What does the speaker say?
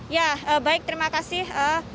ya baik terima kasih